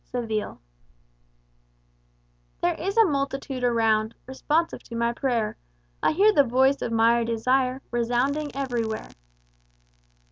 Seville "There is a multitude around, Responsive to my prayer; I hear the voice of my desire Resounding everywhere."